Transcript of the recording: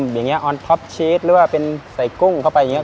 อย่างนี้ออนท็อปชีสหรือว่าเป็นใส่กุ้งเข้าไปอย่างนี้